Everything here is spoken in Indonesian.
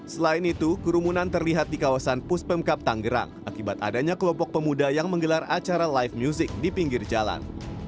selain itu kerumunan terlihat di kawasan pus pemkap tanggerang akibat adanya kelompok pemuda yang menggelar acara live music di pinggir jalan